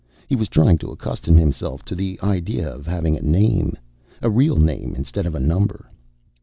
He was trying to accustom himself to the idea of having a name. A real name instead of a number.